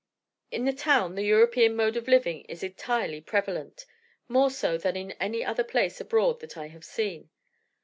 In the town the European mode of living is entirely prevalent more so than in any other place abroad that I have seen.